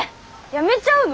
やめちゃうの？